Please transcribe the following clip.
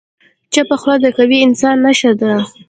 چپه خوله، د قوي انسان نښه ده.